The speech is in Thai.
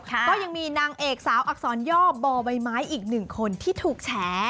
ก็ยังมีนางเอกสาวอักษรย่อบ่อใบไม้อีกหนึ่งคนที่ถูกแฉ